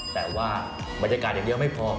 แต่ว่าบรรยากาศอย่างเดียวไม่พอ